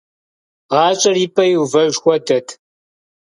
ГъащӀэр и пӀэ иувэж хуэдэт…